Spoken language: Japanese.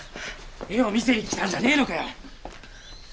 絵を見せにきたんじゃねえのかよ！